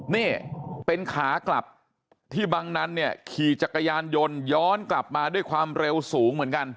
นี่เป็นขากลับที่บังนั้นเนี่ยขี่จักรยานยนต์ย้อนกลับมาด้วยความเร็วสูงเหมือนกัน